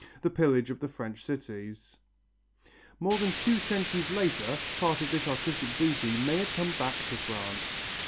the pillage of the French cities. More than two centuries later, part of this artistic booty may have come back to France.